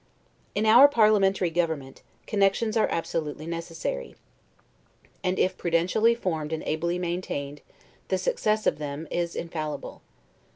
In our parliamentary government, connections are absolutely necessary; and, if prudently formed and ably maintained, the success of them is infallible.